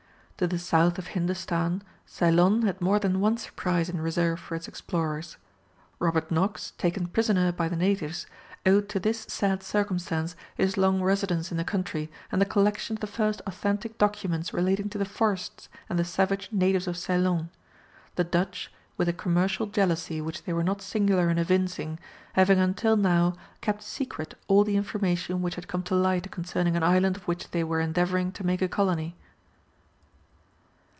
To the south of Hindostan, Ceylon had more than one surprise in reserve for its explorers. Robert Knox, taken prisoner by the natives, owed to this sad circumstance his long residence in the country and the collection of the first authentic documents relating to the forests and the savage natives of Ceylon, the Dutch, with a commercial jealousy which they were not singular in evincing, having until now kept secret all the information which had come to light concerning an island of which they were endeavouring to make a colony.